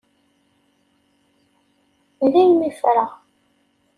Daymi i ffreɣ.